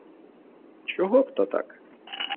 — Чого б то так?